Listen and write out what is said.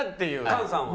菅さんは？